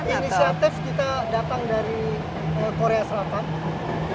inisiatif kita datang dari korea selatan